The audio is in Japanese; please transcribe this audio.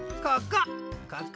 ここ！